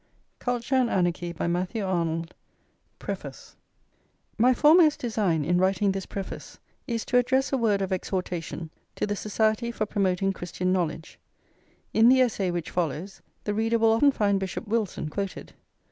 CULTURE AND ANARCHY (1869, FIRST EDITION) PREFACE [iii] My foremost design in writing this Preface is to address a word of exhortation to the Society for Promoting Christian Knowledge. In the essay which follows, the reader will often find Bishop Wilson quoted.